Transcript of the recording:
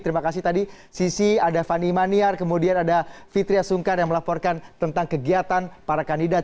terima kasih tadi sisi ada fani maniar kemudian ada fitriah sungkar yang melaporkan tentang kegiatan para kandidat